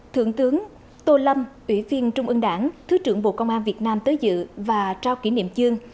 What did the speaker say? thượng tướng tô lâm ủy viên trung ương đảng thứ trưởng bộ công an việt nam tới dự và trao kỷ niệm chương